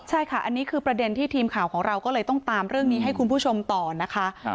ใช่ค่ะอันนี้คือประเด็นที่ทีมข่าวของเราก็เลยต้องตามเรื่องนี้ให้คุณผู้ชมต่อนะคะ